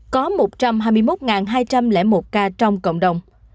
có một trăm hai mươi một hai trăm linh một ca trong cộng đồng